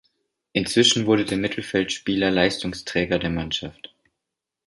Inzwischen wurde der Mittelfeldspieler Leistungsträger der Mannschaft.